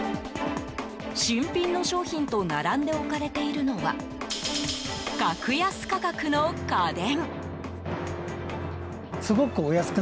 新品の商品と並んで置かれているのは格安価格の家電。